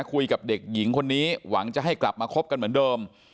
คุยกับเด็กหญิงคนนี้หวังจะให้กลับมาคบกันเหมือนเดิม